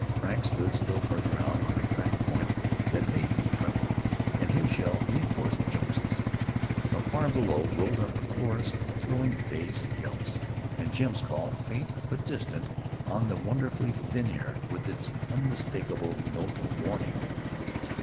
Frank stood still farther out on a cracked point that made me tremble, and his yell reenforced Jones's. From far below rolled up a chorus of thrilling bays and yelps, and Jim's call, faint, but distinct on that wonderfully thin air, with its unmistakable note of warning.